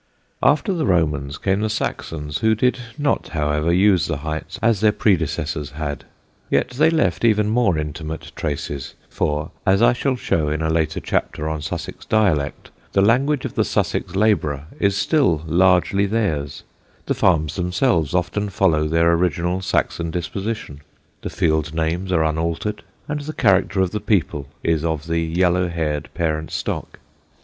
After the Romans came the Saxons, who did not, however, use the heights as their predecessors had. Yet they left even more intimate traces, for, as I shall show in a later chapter on Sussex dialect, the language of the Sussex labourer is still largely theirs, the farms themselves often follow their original Saxon disposition, the field names are unaltered, and the character of the people is of the yellow haired parent stock.